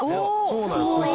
「そうなんです」